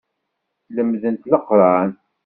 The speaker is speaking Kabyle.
Lemdent Leqran.